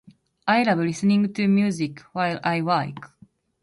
I love listening to music while I work.